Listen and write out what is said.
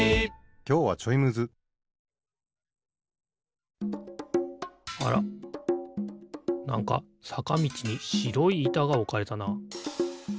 きょうはちょいむずあらなんかさかみちにしろいいたがおかれたな。